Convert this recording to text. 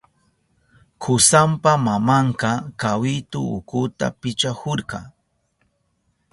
Kusanpa mamanka kawitu ukuta pichahurka.